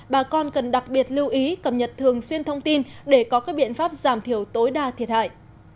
bà con cần đặc biệt lưu ý cập nhật thường xuyên thông tin để có các biện pháp giảm thiểu tối đa thiệt hại